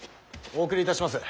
お送りいたします。